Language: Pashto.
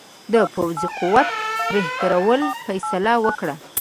د پوځي قوت بهترولو فیصله وکړه.